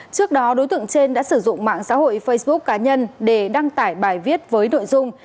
trước đó đối tượng trên đã sử dụng mạng xã hội facebook cá nhân để đăng tải bài viết với nội dung